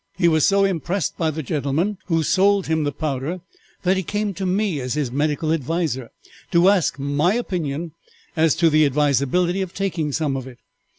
He was so impressed by the gentleman who sold him the powder that he came to me, as his medical adviser, to ask my opinion as to the advisability of taking some of it.